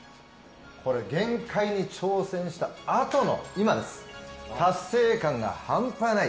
限界に挑戦したあとの達成感がハンパない。